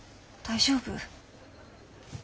大丈夫？